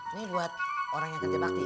ini buat orang yang kerja bakti